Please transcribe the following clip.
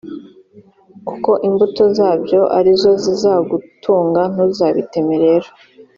kuko imbuto zabyo ari zo zizagutunga: ntuzabiteme rero.